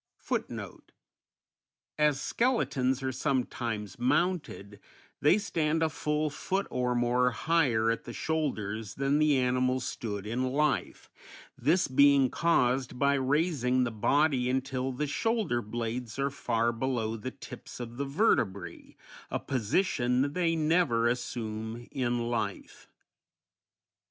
_As skeletons are sometimes mounted, they stand a full foot or more higher at the shoulders than the animal stood in life, this being caused by raising the body until the shoulder blades are far below the tips of the vertebræ, a position they never assume in life.